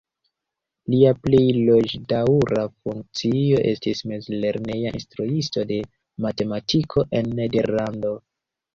Lia plej longdaŭra funkcio estis mezlerneja instruisto de matematiko en Nederlando.